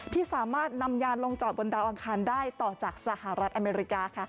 ที่สามารถนำยานลงจอดบนดาวอังคารได้ต่อจากสหรัฐอเมริกาค่ะ